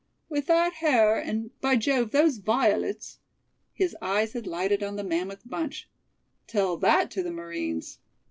With that hair and by Jove those violets!" His eyes had lighted on the mammoth bunch. "Tell that to the marines."